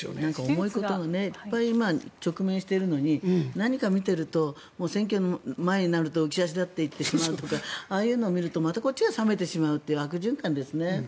重いことにいっぱい今、直面しているのに何か、見ていると選挙の前になると浮足立って行ってしまうとかああいうのを見るとまたこっちが冷めてしまうという悪循環ですね。